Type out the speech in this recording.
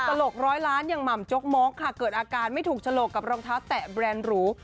ตลกร้อยล้านอย่างหม่ำจกมกค่ะเกิดอาการไม่ถูกฉลกกับรองเท้าแตะแรนด์หรู